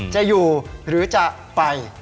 จะอยู่หรือจะไป